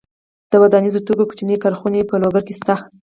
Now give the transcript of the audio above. د ودانیزو توکو کوچنۍ کارخونې په لوګر کې شته.